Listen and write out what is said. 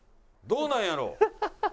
どうなんやろ？